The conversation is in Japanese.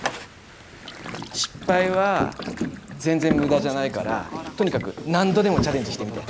失敗は全然無駄じゃないからとにかく何度でもチャレンジしてみて。